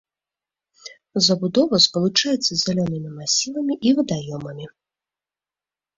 Забудова спалучаецца з зялёнымі масівамі і вадаёмамі.